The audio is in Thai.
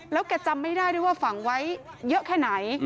แล้วแกจำไม่ได้ด้วยว่าฝังไว้เยอะแค่ไหน